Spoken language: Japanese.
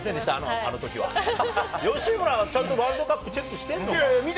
吉村はちゃんとワールドカップ、チェックしてるのか？